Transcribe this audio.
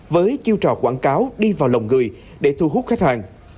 với chiêu trò quảng cáo đi vào lòng người để thu hút khách hàng